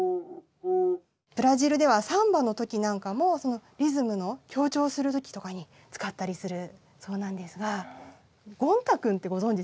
ブラジルではサンバの時なんかもリズムの強調する時とかに使ったりするそうなんですがゴン太くんってご存じですか？